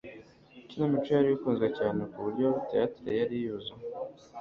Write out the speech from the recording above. Ikinamico yari ikunzwe cyane kuburyo theatre yari yuzuye